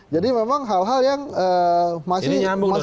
jadi memang hal hal yang masih simpan luaran aja